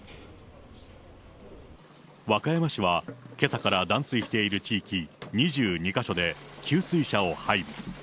和歌山市は、けさから断水している地域２２か所で給水車を配備。